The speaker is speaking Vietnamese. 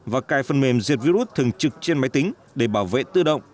và cài phần mềm diệt virus thường trực trên máy tính để bảo vệ tự động